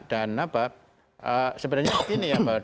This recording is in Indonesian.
dan apa sebenarnya begini ya pak